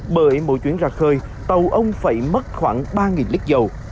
bởi mỗi chuyến ra khơi tàu ông phải mất khoảng ba lít dầu